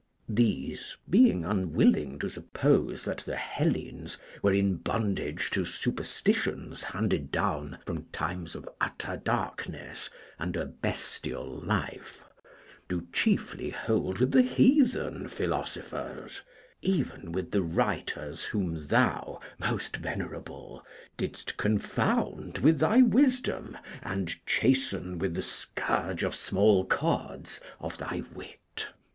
These, being unwilling to suppose that the Hellenes were in bondage to superstitions handed down from times of utter darkness and a bestial life, do chiefly hold with the heathen philosophers, even with the writers whom thou, most venerable, didst confound with thy wisdom and chasten with the scourge of small cords of thy wit.